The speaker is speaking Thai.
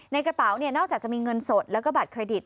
ในกระเป๋าเนี่ยนอกจากจะมีเงินสดแล้วก็บัตรเครดิต